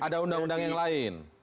ada undang undang yang lain